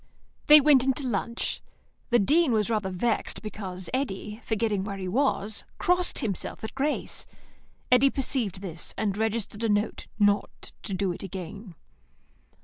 They went into lunch. The Dean was rather vexed because Eddy, forgetting where he was, crossed himself at grace. Eddy perceived this, and registered a note not to do it again.